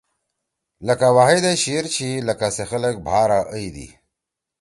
لکہ واحد اے شیِر چھی لکہ سے خلگ بھارا اَئی دی۔